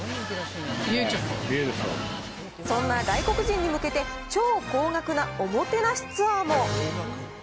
そんな外国人に向けて、超高額なおもてなしツアーも。